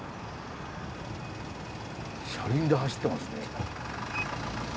車輪で走ってますね。